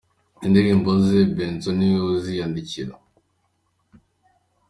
Indirimbo ze, Benzo ni we uziyandikira.